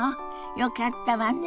よかったわね。